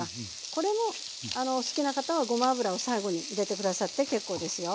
これもお好きな方はごま油を最後に入れて下さって結構ですよ。